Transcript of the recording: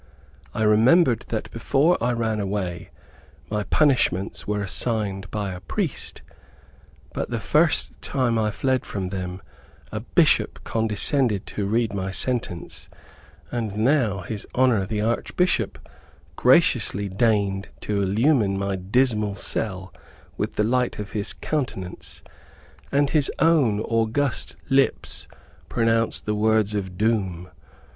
I remembered that before I ran away, my punishments were assigned by a priest, but the first time I fled from them a Bishop condescended to read my sentence, and now his honor the Archbishop graciously deigned to illume my dismal cell with the light of his countenance, and his own august lips pronounced the words of doom.